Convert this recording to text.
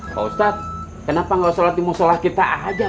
pak ustadz kenapa gak usah latih musalah kita aja tuh pak ustadz